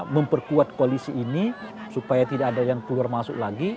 memperkuat koalisi ini supaya tidak ada yang keluar masuk lagi